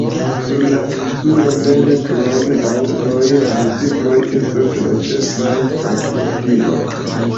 Sur la insulo mem krom aŭtoj la bicikloj estas la ĉefaj transportiloj.